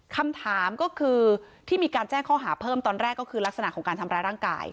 คำถามก็คือที่มีการแจ้งข้อหาเพิ่มตอนแรกก็คือลักษณะของการทำร้ายร่างกาย